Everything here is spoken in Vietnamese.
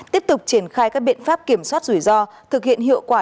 tiếp tục triển khai các biện pháp kiểm soát rủi ro thực hiện hiệu quả